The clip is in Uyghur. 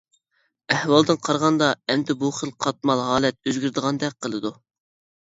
ئەھۋالدىن قارىغاندا ئەمدى بۇ خىل قاتمال ھالەت ئۆزگىرىدىغاندەك قىلىدۇ.